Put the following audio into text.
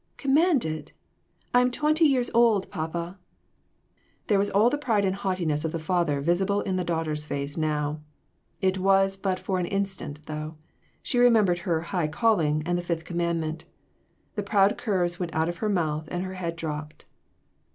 "Commanded ! I am twenty years old, papa." There was all the pride and haughtiness of the father visible in the daughter's face now. It was but for an instant, though. She remembered her "high calling" and the fifth commandment; the proud curves went out of her mouth and her head drooped.